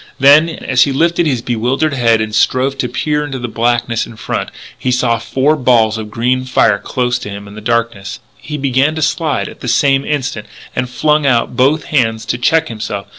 Then, as he lifted his bewildered head and strove to peer into the blackness in front, he saw four balls of green fire close to him in darkness. He began to slide at the same instant, and flung out both hands to check himself.